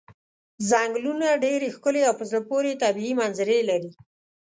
څنګلونه ډېرې ښکلې او په زړه پورې طبیعي منظرې لري.